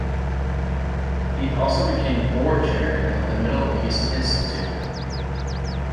He also became board chairman of the Middle East Institute.